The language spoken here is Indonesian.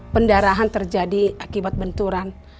pendarahan terjadi akibat benturan